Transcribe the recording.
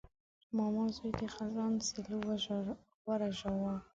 ماما زوی د خزان سیلیو ورژاوه.